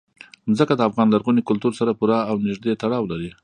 ځمکه د افغان لرغوني کلتور سره پوره او نږدې تړاو لري.